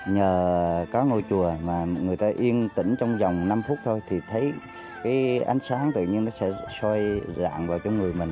nhờ có ngôi chùa mà người ta yên tĩnh trong vòng năm phút thôi thì thấy cái ánh sáng tự nhiên nó sẽ soi rạn vào trong người mình